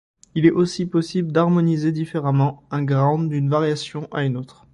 Il est aussi possible d'harmoniser différemment un ground d'une variation à une autre.